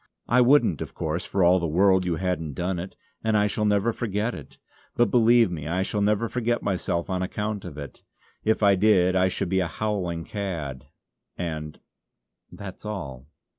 I wouldn't, of course, for all the world you hadn't done it; and I shall never forget it. But believe me I shall never forget myself on account of it. If I did I should be a howling cad; and that's all."